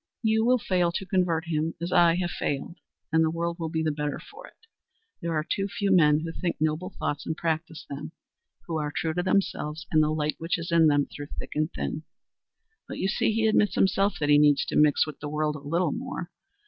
You will fail to convert him as I have failed, and the world will be the better for it. There are too few men who think noble thoughts and practice them, who are true to themselves and the light which is in them through thick and thin. But you see, he admits himself that he needs to mix with the world a little more.